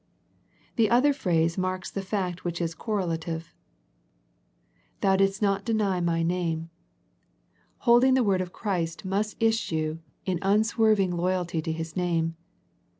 The other phrase marks the fact which is correlative, " Thou didst not deny My name." 170 A First Century Message Holding the word of Christ must issue in un swerving loyalty to His name.